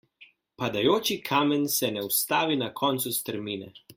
Padajoči kamen se ne ustavi na koncu strmine.